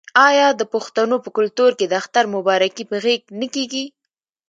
آیا د پښتنو په کلتور کې د اختر مبارکي په غیږ نه کیږي؟